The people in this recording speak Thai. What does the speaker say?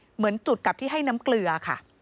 เหมือนจุดกับที่ให้น้ำเกลือค่ะ